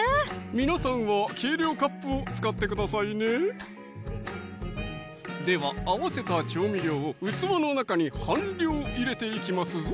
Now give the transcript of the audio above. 皆さんは計量カップを使ってくださいねでは合わせた調味料を器の中に半量入れていきますぞ